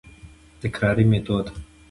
تکراري ميتود: